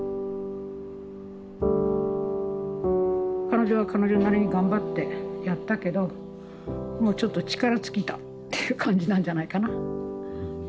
彼女は彼女なりに頑張ってやったけどもうちょっと力尽きたっていう感じなんじゃないかな。